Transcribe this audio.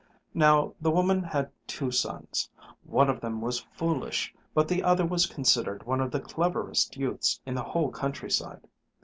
Now the woman had two sons. One of them was foolish, but the other was considered one of the cleverest youths in the whole countryside.